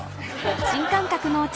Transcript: ［新感覚のお茶